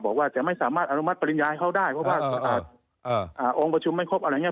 บอกว่าจะไม่สามารถอนุมัติปริญญาให้เขาได้เพราะว่าองค์ประชุมไม่ครบอะไรอย่างนี้